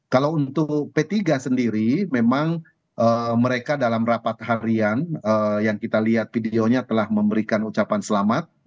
kalau untuk p tiga sendiri memang mereka dalam rapat harian yang kita lihat videonya telah memberikan ucapan selamat